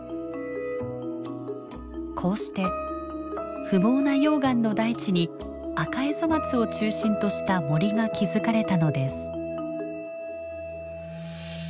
こうして不毛な溶岩の大地にアカエゾマツを中心とした森が築かれたのです。